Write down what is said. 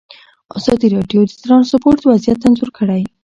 ازادي راډیو د ترانسپورټ وضعیت انځور کړی.